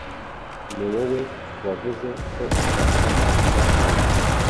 Niwowe wavuze ko ushaka kuza hano.